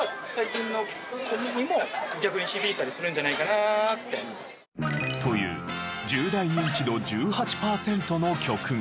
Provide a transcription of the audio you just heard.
続いては。という１０代ニンチド１８パーセントの曲が。